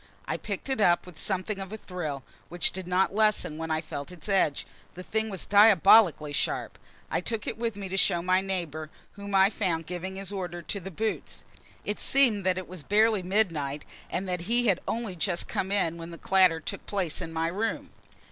I picked it up with something of a thrill, which did not lessen when I felt its edge. The thing was diabolically sharp. I took it with me to show my neighbor, whom I found giving his order to the boots; it seemed that it was barely midnight, and that he had only just come in when the clatter took place in my room.